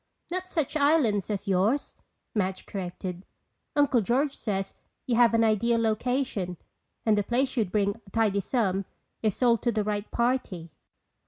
"Not such islands as yours," Madge corrected. "Uncle George says you have an ideal location and the place should bring a tidy sum if sold to the right party."